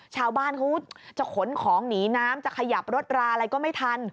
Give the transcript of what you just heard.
ชาวบ้านเขาจะขนของหนีน้ำจะขยับรถราอะไรก็ไม่ทัน